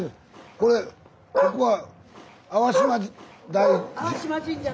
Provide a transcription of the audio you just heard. これここは淡島。